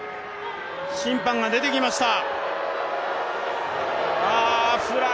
審判が出てきました。